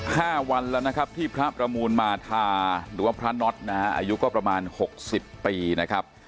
ห้าวันแล้วนะครับที่พระประมูลมาทาหรือว่าพระน็อตนะฮะอายุก็ประมาณหกสิบปีนะครับ